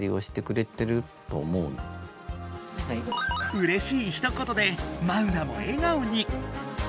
うれしいひと言でマウナも笑顔に！